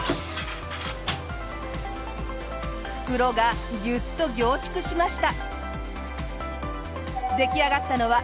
袋がギュッと凝縮しました。